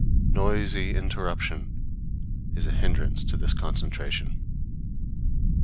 Noisy interruption is a hindrance to this concentration.